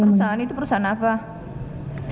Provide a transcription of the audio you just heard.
perusahaan itu perusahaan apa